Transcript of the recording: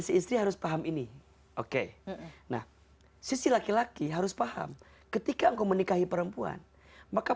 si istri harus paham ini oke nah sisi laki laki harus paham ketika engkau menikahi perempuan maka